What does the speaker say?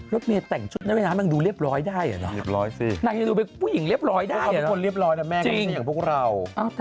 นักเมย์แต่งชุดเว้นน้ำ